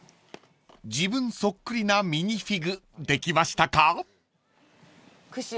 ［自分そっくりなミニフィグできましたか？］